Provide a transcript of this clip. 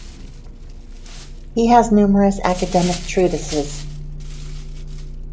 He has numerous academic treatises.